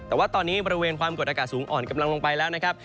แต่ว่าตอนนี้บริเวณความกดอากาศสูงอ่อนกำลังลงไปแล้วนะครับ